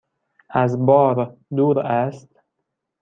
از بار دور است؟